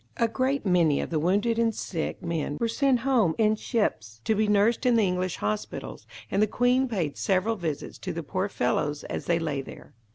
A great many of the wounded and sick men were sent home in ships, to be nursed in the English hospitals, and the Queen paid several visits to the poor fellows as they lay there.